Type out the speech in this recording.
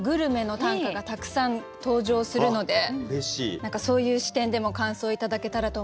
何かそういう視点でも感想頂けたらと思います。